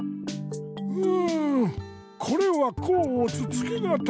うんこれはこうおつつけがたい。